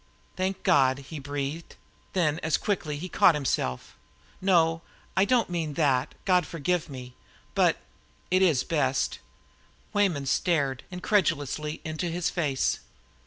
"Thank God!" he breathed. Then, as quickly, he caught himself. "No, I don't mean that. God forgive me! But it is best." Weyman stared incredulously into his face.